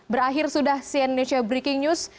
berakhir sudah cn indonesia breaking news